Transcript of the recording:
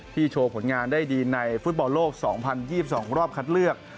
โชว์ผลงานได้ดีในฟุตบอลโลก๒๐๒๒รอบคัดเลือก